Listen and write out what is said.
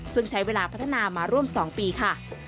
ซึ่งใช้เวลาพัฒนามาร่วม๒ปีค่ะ